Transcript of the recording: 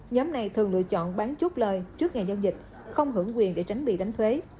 nhóm này thường lựa chọn bán chút lời trước ngày giao dịch không hưởng quyền để tránh bị đánh thuế